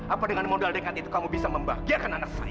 apa dengan modal dengan itu kamu bisa membahagiakan anak saya